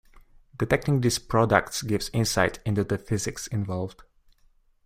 Detecting these products gives insight into the physics involved.